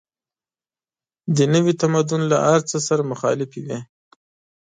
د نوي تمدن له هر څه سره مخالفې وې.